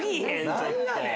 ちょっと。